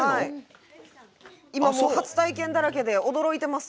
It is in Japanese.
今、初体験だらけで驚いてます。